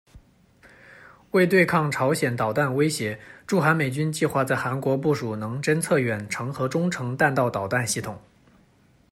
为对抗朝鲜导弹威胁，驻韩美军计划在韩国部署能侦测远程和中程弹道导弹系统。